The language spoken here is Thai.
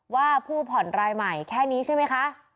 ว่าผู้ผ่อนรายใหม่แค่นี้ใช่ไหมคะ